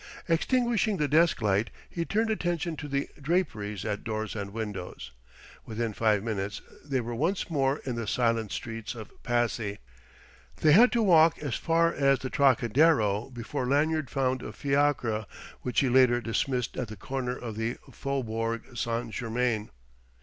Extinguishing the desk light, he turned attention to the draperies at doors and windows.... Within five minutes, they were once more in the silent streets of Passy. They had to walk as far as the Trocadéro before Lanyard found a fiacre, which he later dismissed at the corner in the Faubourg St. Germain.